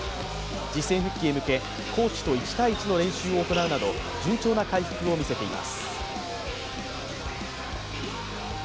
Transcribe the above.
実戦復帰へ向け、コーチと１対１の練習を行うなど、順調な回復を見せています。